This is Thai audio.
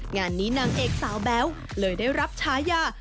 งานนี้นางเอกสาวแบ๊วเลยได้รับฉายา